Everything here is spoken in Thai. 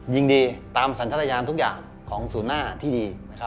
ยิงดีตามสัญญาณทุกอย่างของศูนย์หน้าที่ดี